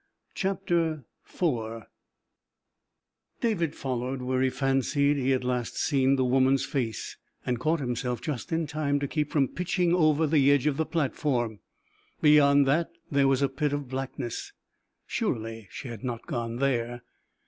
CHAPTER IV David followed where he fancied he had last seen the woman's face and caught himself just in time to keep from pitching over the edge of the platform. Beyond that there was a pit of blackness. Surely she had not gone there.